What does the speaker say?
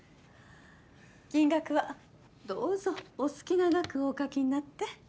金額はどうぞお好きな額をお書きになって。